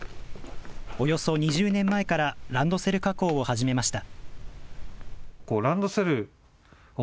およそ２０年前から、ランドセル加工を始めました。